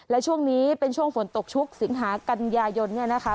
และช่วงนี้เป็นช่วงฝนตกชุกสิงหากัญญายนเนี่ยนะคะ